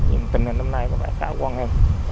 nhưng tình hình năm nay có vẻ khá quan hơn